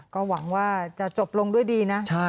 ก็หวังว่าจะจบลงด้วยดีนะ